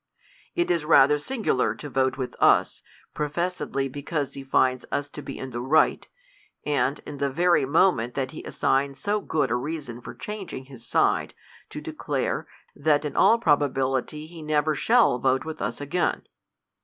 It is rather singular to vote witl^us, professedly be cause he finds us to be in the right, and, in the very moment that he assigns so good a reason for changing his side, to declare, that in all probability he never shall vote with us again.